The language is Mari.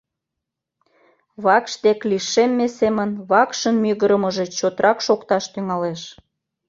Вакш дек лишемме семын вакшын мӱгырымыжӧ чотрак шокташ тӱҥалеш.